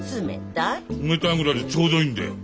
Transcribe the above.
冷たいぐらいでちょうどいいんだよ。